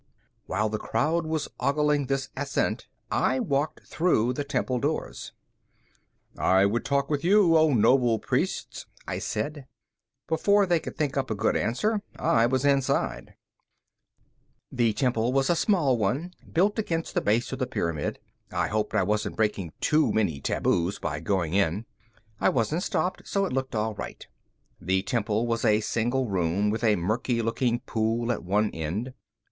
While the crowd was ogling this ascent, I walked through the temple doors. "I would talk with you, O noble priests," I said. Before they could think up a good answer, I was inside. The temple was a small one built against the base of the pyramid. I hoped I wasn't breaking too many taboos by going in. I wasn't stopped, so it looked all right. The temple was a single room with a murky looking pool at one end.